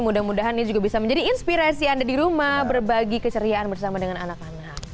mudah mudahan ini juga bisa menjadi inspirasi anda di rumah berbagi keceriaan bersama dengan anak anak